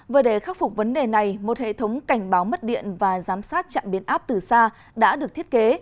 vừa để khắc phục vấn đề này một hệ thống cảnh báo mất điện và giám sát trạm biến áp từ xa đã được thiết kế